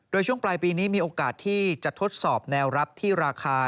โดยช่วงปลายปีนี้มีโอกาสที่จะทดสอบแนวรับที่ราคา